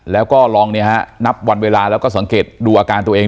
แล้วก็ลองนับวันเวลาแล้วก็สังเกตดูอาการตัวเอง